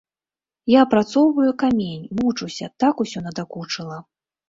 Я апрацоўваю камень, мучуся, так усё надакучыла.